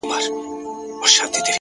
وي لكه ستوري هره شــپـه را روان _